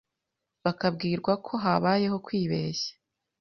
bakabwirwa ko habayeho kwibeshya